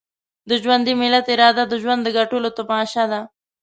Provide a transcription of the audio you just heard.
د ژوندي ملت اراده د ژوند د ګټلو تماشه ده.